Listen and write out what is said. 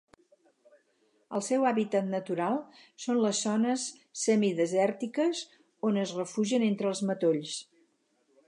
El seu hàbitat natural són les zones semidesèrtiques, on es refugien entre els matolls.